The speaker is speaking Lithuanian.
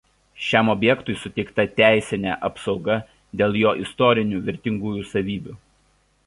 Šiam objektui suteikta teisinė apsauga dėl jo istorinių vertingųjų savybių.